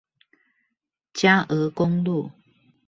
佳鵝公路